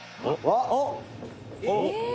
「おっ！